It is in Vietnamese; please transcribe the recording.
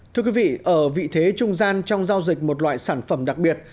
thưa quý vị ở vị thế trung gian trong giao dịch một loại sản phẩm đặc biệt